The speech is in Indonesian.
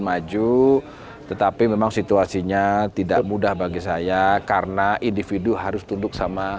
maju tetapi memang situasinya tidak mudah bagi saya karena individu harus tunduk sama